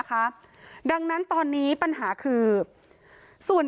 ชุมชนแฟลต๓๐๐๐๐คนพบเชื้อ๓๐๐๐๐คนพบเชื้อ๓๐๐๐๐คน